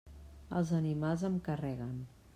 Els animals em carreguen.